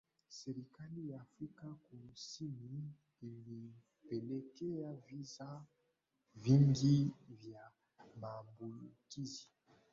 serikali ya afrika kusini ilipelekea visa vingi vya maambukizi